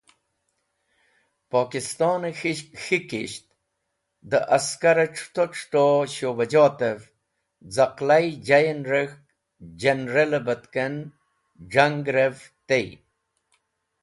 Pokistone K̃hikisht de Askare C̃huto C̃huto Shubajotev zaqlai jayven rek̃hk General e batken Z̃hangrev tey.